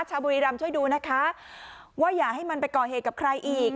บุรีรำช่วยดูนะคะว่าอย่าให้มันไปก่อเหตุกับใครอีก